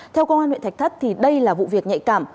theo công an huyện thạch thất đây là vụ việc nhạy cảm